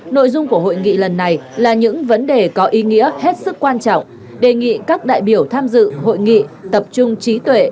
nội dung của hội nghị lần này là những vấn đề có ý nghĩa hết sức quan trọng đề nghị các đại biểu tham dự hội nghị tập trung trí tuệ